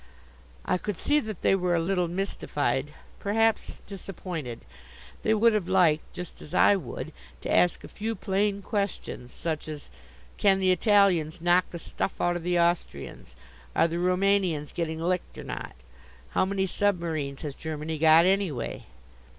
I could see that they were a little mystified, perhaps disappointed. They would have liked, just as I would, to ask a few plain questions, such as, can the Italians knock the stuff out of the Austrians? Are the Rumanians getting licked or not? How many submarines has Germany got, anyway?